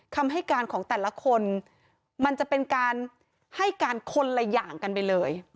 คำให้การของแต่ละคนมันจะเป็นการให้การคนละอย่างกันไปเลย